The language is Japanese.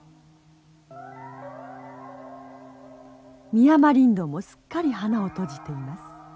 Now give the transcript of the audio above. ミヤマリンドウもすっかり花を閉じています。